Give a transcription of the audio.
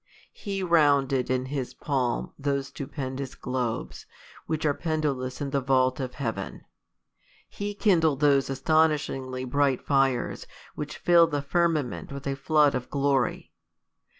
He rounded in his palm those stupendous globes, Avhich are pendulous in the vault of heaven. lie kin dled those astonishingly bright fires, which till the firma ment with a flood of giory.